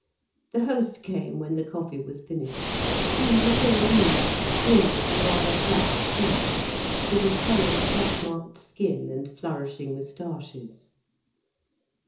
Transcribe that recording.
The host came when the coffee was finished. He was a Tyrolese, broad, rather flat cheeked, with a pale, pock marked skin and flourishing moustaches.